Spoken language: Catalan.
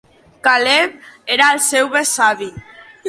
Caleb era el seu besavi.